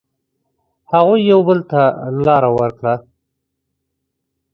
هغوی یو بل ته لاره ورکړه.